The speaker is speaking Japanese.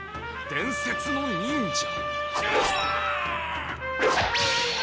伝説の忍者？